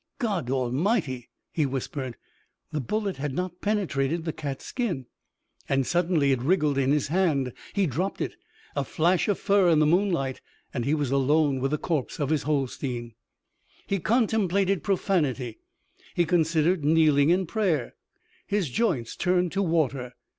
"God Almighty," he whispered. The bullet had not penetrated the cat's skin. And, suddenly, it wriggled in his hand. He dropped it. A flash of fur in the moonlight, and he was alone with the corpse of his Holstein. He contemplated profanity, he considered kneeling in prayer. His joints turned to water.